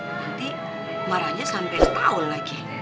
nanti marahnya sampai setahun lagi